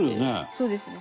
そうですね。